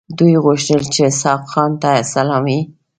دوی غوښتل چې اسحق خان ته سلامي شي.